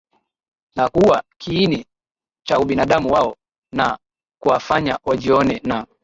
na kuua kiini cha ubinadamu wao na kuwafanya wajione na